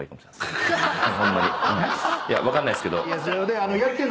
分かんないですけど。